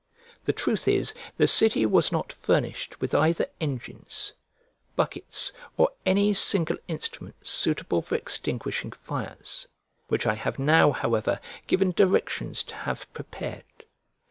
The truth is the city was not furnished with either engines, buckets, or any single instrument suitable for extinguishing fires; which I have now however given directions to have prepared.